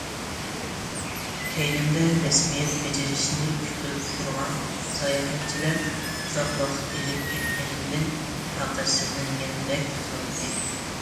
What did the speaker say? كەينىمدە رەسمىيەت بېجىرىشنى كۈتۈپ تۇرغان ساياھەتچىلەر ئۇزاق ۋاقىت ئېلىپ كەتكىنىمدىن تاقەتسىزلەنگەندەك قىلاتتى.